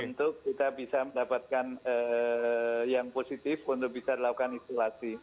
untuk kita bisa mendapatkan yang positif untuk bisa dilakukan isolasi